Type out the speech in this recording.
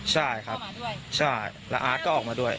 ใช่ครับมาด้วยใช่แล้วอาร์ตก็ออกมาด้วย